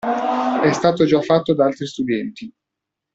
È stato già fatto da altri studenti.